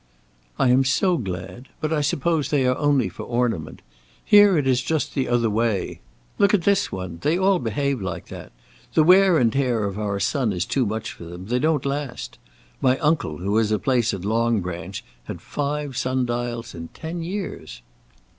"I am so glad. But I suppose they are only for ornament. Here it is just the other way. Look at this one! they all behave like that. The wear and tear of our sun is too much for them; they don't last. My uncle, who has a place at Long Branch, had five sun dials in ten years."